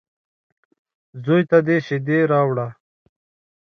_زوی ته دې شېدې راوړه.